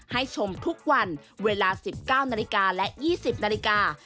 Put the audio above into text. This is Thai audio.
ให้ชมทุกวันเวลา๑๙นาฬิกาและ๒๐นาฬิกา